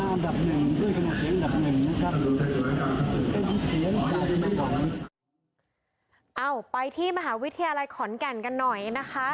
สามที่เขาได้ให้ทำทางมากอยากเจ้าชนสมใย